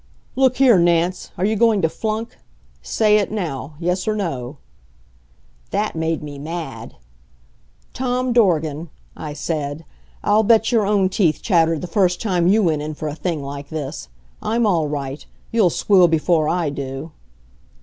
"Look here, Nance, are you going to flunk? Say it now yes or no." That made me mad. "Tom Dorgan," I said, "I'll bet your own teeth chattered the first time you went in for a thing like this. I'm all right. You'll squeal before I do."